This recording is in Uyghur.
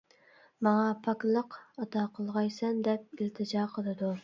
ماڭا پاكلىق ئاتا قىلغايسەن، دەپ ئىلتىجا قىلىدۇ.